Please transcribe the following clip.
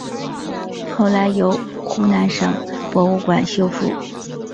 后来由湖南省博物馆修复。